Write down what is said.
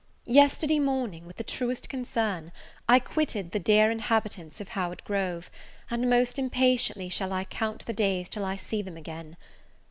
Yesterday morning, with the truest concern, I quitted the dear inhabitants of Howard Grove, and most impatiently shall I count the days till I see them again.